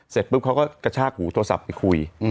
เสร็จปุ๊บเขาก็กระชากหูโทรศัพท์ไปคุย